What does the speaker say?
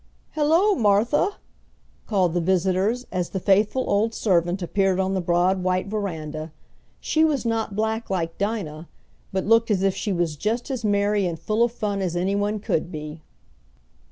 "Hello, Martha!" called the visitors, as the faithful old servant appeared on the broad white veranda. She was not black like Dinah, but looked as if she was just as merry and full of fun as anyone could be.